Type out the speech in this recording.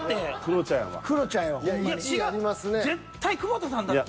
絶対久保田さんだって。